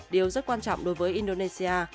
điều rất quan trọng đối với indonesia